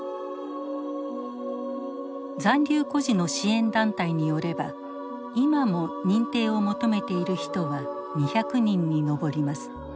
残留孤児の支援団体によれば今も認定を求めている人は２００人に上ります。